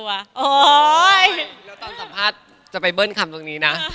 เดี๋ยวตอนสัมภาษณ์จะไปเบิ้ลคำตรงนี้นะ